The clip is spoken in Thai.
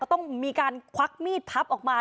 ต้องมีการควักมีดพับออกมา